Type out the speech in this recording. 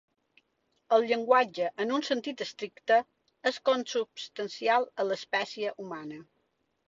El llenguatge, en un sentit estricte, és consubstancial a l’espècie humana.